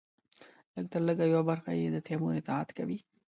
لږترلږه یوه برخه یې د تیمور اطاعت کوي.